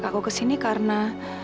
nggak ajak aku kesini karena